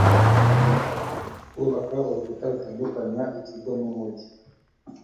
kubaka urukuta rutandukanya ikigo n'umugi